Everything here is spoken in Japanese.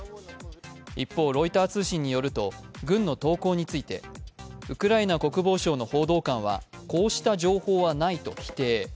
一方、ロイター通信によると軍の投降についてウクライナ国防省の報道官はこうした情報はないと否定。